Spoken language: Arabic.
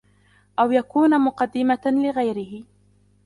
أَوْ يَكُونَ مُقَدِّمَةً لِغَيْرِهِ